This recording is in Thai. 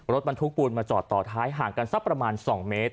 รถบรรทุกปูนมาจอดต่อท้ายห่างกันสักประมาณ๒เมตร